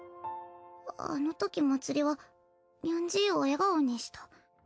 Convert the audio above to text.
あのときまつりはにゃんじいを笑顔にした。